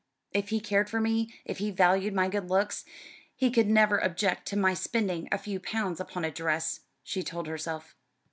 "If he cared for me, if he valued my good looks, he could never object to my spending a few pounds upon a dress," she told herself.